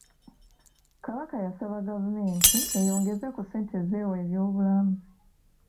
Kabaka yasaba gavumenti eyongeze ku ssente z'ewa eby'obulamu.